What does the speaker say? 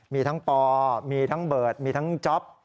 มีทั้งปอมีทั้งเบิร์ตมีทั้งจ๊อป